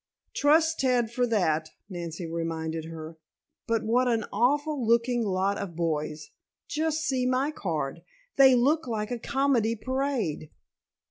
"Trust Ted for that," Nancy reminded her. "But what an awful looking lot of boys! Just see my card! They look like a comedy parade."